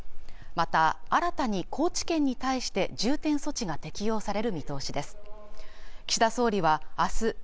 また新たに高知県に対して重点措置が適用される見通しです